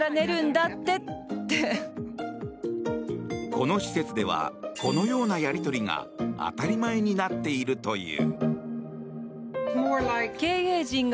この施設ではこのようなやり取りが当たり前になっているという。